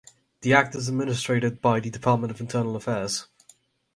The Act is administrated by The Department of Internal Affairs.